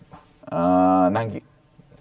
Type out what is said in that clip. อ่านั่งกี่